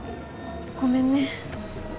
ごめんね。